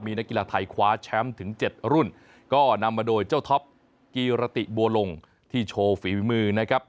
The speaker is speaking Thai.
มีนักกีฬาไทยคว้าแชมป์ถึง๗รุ่นก็นำมาโดยเจ้าท็อปกีรติบัวลงที่โชว์ฝีมือนะครับ